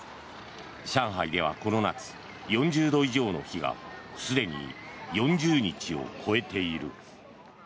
上海ではこの夏、４０度以上の日がすでに４０日を超えている。